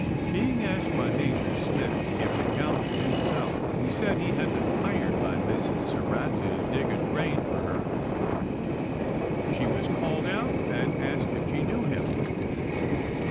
Being asked by Major Smith to give an account of himself, he said he had been hired by Mrs. Surratt to dig a drain for her. She was called out and asked if she knew him.